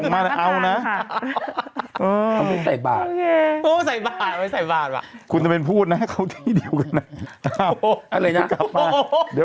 ไม่ได้ทำเลยเขาจัดมาให้พี่